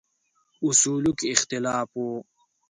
اصولو کې اختلاف و.